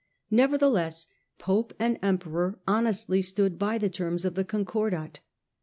Nevertheless pope and emperor honestly stood by the terms of the Concordat.